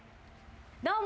どうも。